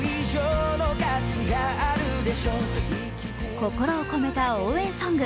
心を込めた応援ソング。